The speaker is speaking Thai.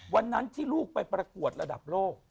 วันนั้นที่ลูกไปประกวดระดับโลก